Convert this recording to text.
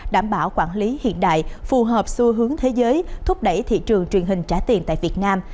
đảm bảo quản lý hiện đại phù hợp xu hướng thế giới thúc đẩy thị trường truyền hình trả tiền tại việt nam